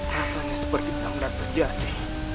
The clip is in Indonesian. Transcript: rasanya seperti tak pernah terjadi